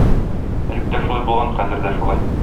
Элек тә шулай булган, хәзер дә шулай...